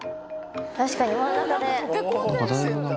確かに真ん中で。